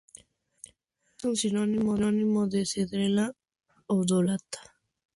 Es un sinónimo de "Cedrela odorata"